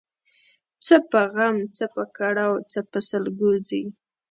څه په غم ، څه په کړاو څه په سلګو ځي